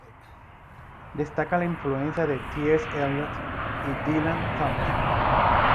Destaca la influencia de T. S. Eliot y Dylan Thomas.